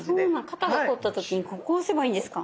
肩が凝った時にここを押せばいいんですか？